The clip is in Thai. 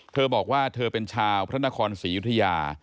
เธอบอกว่าเธอเป็นชาวพระนครศรียุธยา